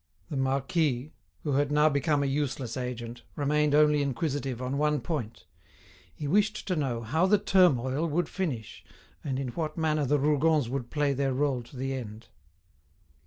The marquis, who had now become a useless agent, remained only inquisitive on one point—he wished to know how the turmoil would finish, and in what manner the Rougons would play their role to the end.